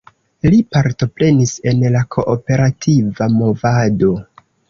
Li partoprenis en la kooperativa movado.